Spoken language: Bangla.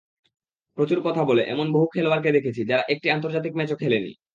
প্রচুর কথা বলে, এমন বহু খেলোয়াড়কে দেখেছি, যারা একটি আন্তর্জাতিক ম্যাচও খেলেনি।